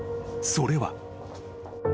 ［それは］